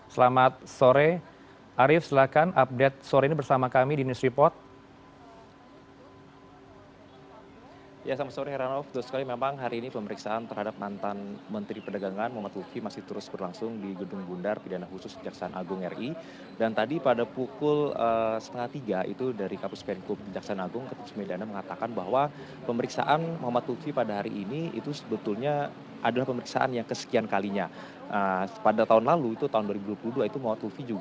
selamat sore arief silahkan update sore ini bersama kami di news report